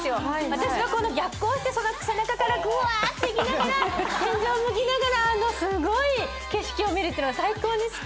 私は逆行して背中からぐわーっていきながら天井向きながらすごい景色を見るっていうのが最高に好き。